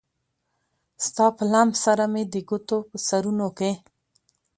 ستا په لمس سره مې د ګوتو په سرونو کې